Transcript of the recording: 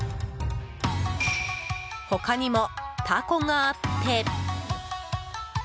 他にもタコがあって。